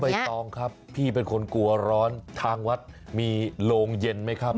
ตองครับพี่เป็นคนกลัวร้อนทางวัดมีโรงเย็นไหมครับ